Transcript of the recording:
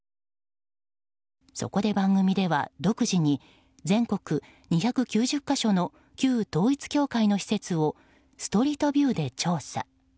そこで番組では独自に全国２９０か所の旧統一教会の施設をストリートビューで調査。